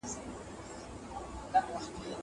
زه کښېناستل کړي دي!!